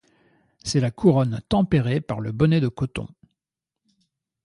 C'est la couronne tempérée par le bonnet de coton.